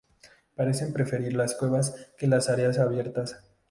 Parecen preferir las cuevas que las áreas abiertas.